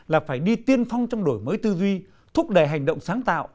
là phải đi tiên phong trong đổi mới tư duy thúc đẩy hành động sáng tạo